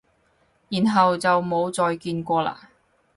然後就冇再見過喇？